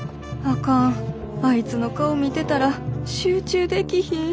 あいつの顔見てたら集中できひん。